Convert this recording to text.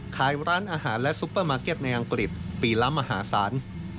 ขายร้านอาหารและซุปเปอร์มาร์เก็ตในอังกฤษปีละมหาศาล